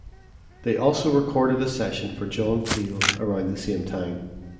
They also recorded a session for John Peel around the same time.